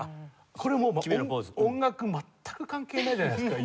これもう音楽全く関係ないじゃないですか。